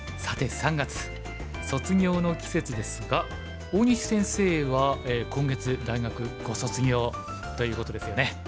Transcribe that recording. さて３月卒業の季節ですが大西先生は今月大学ご卒業ということですよね。